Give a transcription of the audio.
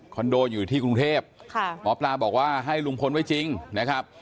โดอยู่ที่กรุงเทพหมอปลาบอกว่าให้ลุงพลไว้จริงนะครับ